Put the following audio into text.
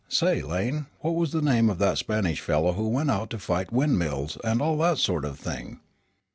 "Say, Lane, what was the name of that Spanish fellow who went out to fight windmills, and all that sort of thing?"